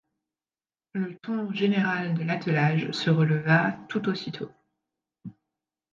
Le ton général de l’attelage se releva tout aussitôt.